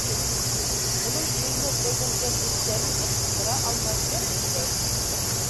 Уның төйнәп бәйләнгән ептәрен ысҡындыра алмай бер булды.